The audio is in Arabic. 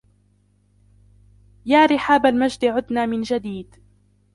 يا رحاب المجد عدنا من جديد